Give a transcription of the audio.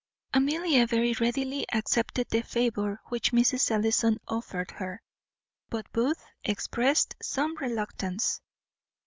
Amelia very readily accepted the favour which Mrs. Ellison offered her; but Booth exprest some reluctance.